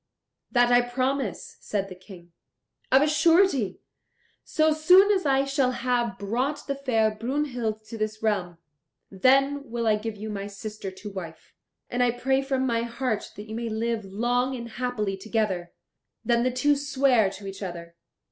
"That I promise," said the King. "Of a surety, so soon as I shall have brought the fair Brunhild to this realm, then will I give you my sister to wife; and I pray from my heart that you may live long and happily together." Then the two sware to each other.